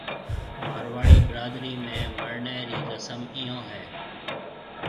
مارواڙي برادري ۾ مرڻيَ رِي رسم ايون ھيََََ